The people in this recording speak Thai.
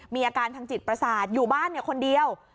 มีอาการทางจิตประสาทอยู่บ้านคนเดียว